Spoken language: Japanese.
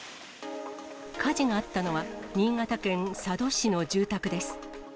火事があったのは、新潟県佐渡市の住宅です。